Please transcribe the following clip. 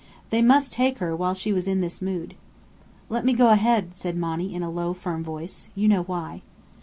They must take her while she was in this mood. "Let me go ahead," said Monny, in a low, firm voice. "You know why."